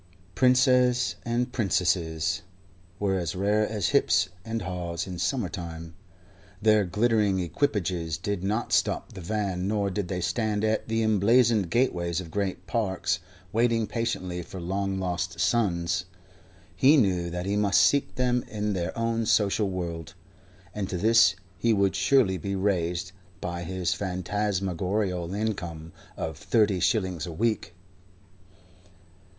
Princes and princesses were as rare as hips and haws in summer time. Their glittering equipages did not stop the van, nor did they stand at the emblazoned gateways of great parks waiting patiently for long lost sons. He knew that he must seek them in their own social world, and to this he would surely be raised by his phantasmagorial income of thirty shillings a week.